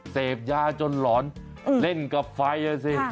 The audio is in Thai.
เสพยาจนหลอนเล่นกับไฟอ่ะสิ